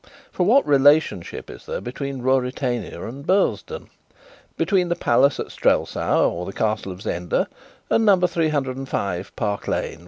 For what relationship is there between Ruritania and Burlesdon, between the Palace at Strelsau or the Castle of Zenda and Number 305 Park Lane, W.?